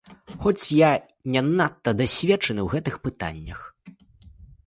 Хоць я не надта дасведчаны ў гэтых пытаннях.